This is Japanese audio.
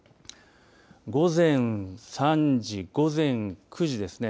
午前３時、午前９時ですね。